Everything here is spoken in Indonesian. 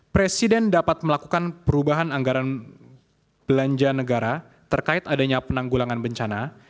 presiden dapat melakukan perubahan anggaran belanja negara terkait adanya penanggulangan bencana